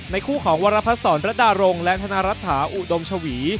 ในคู่ของวารพสรรรัตดาโรงและธนารัตถาอุดมชวี